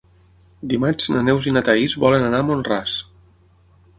Dimarts na Neus i na Thaís volen anar a Mont-ras.